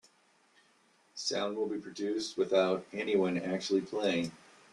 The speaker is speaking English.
Sound will be produced without anyone actually playing.